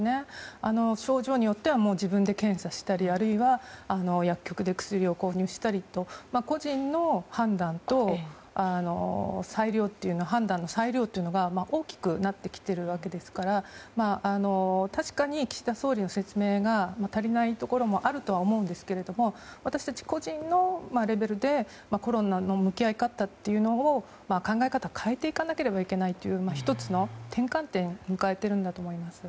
症状によっては自分で検査したりあるいは、薬局で薬を購入したりと個人の判断と、判断の裁量が大きくなってきているわけですから確かに岸田総理の説明が足りないところもあると思いますが私たち個人のレベルでコロナとの向き合い方と考え方を変えていかなければならないという１つの転換点を迎えているんだと思います。